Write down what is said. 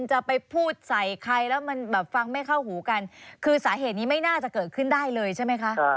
จะไปพูดใส่ใครแล้วมันแบบฟังไม่เข้าหูกันคือสาเหตุนี้ไม่น่าจะเกิดขึ้นได้เลยใช่ไหมคะ